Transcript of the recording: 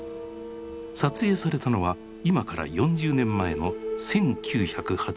撮影されたのは今から４０年前の１９８３年。